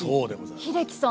英樹さん